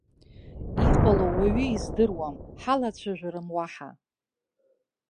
Иҟало уаҩы издыруам, ҳалацәажәарым уаҳа.